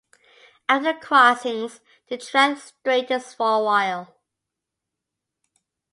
After the crossings, the track straightens for a while.